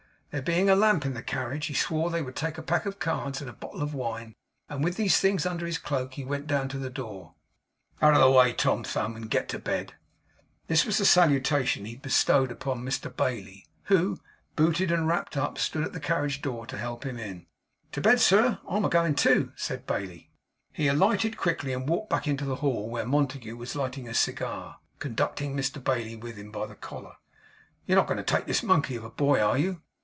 There being a lamp in the carriage, he swore they would take a pack of cards, and a bottle of wine; and with these things under his cloak, went down to the door. 'Out of the way, Tom Thumb, and get to bed!' This was the salutation he bestowed on Mr Bailey, who, booted and wrapped up, stood at the carriage door to help him in. 'To bed, sir! I'm a going, too,' said Bailey. He alighted quickly, and walked back into the hall, where Montague was lighting a cigar; conducting Mr Bailey with him, by the collar. 'You are not a going to take this monkey of a boy, are you?